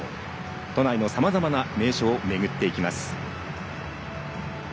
都内のさまざまな名所を巡っていきます。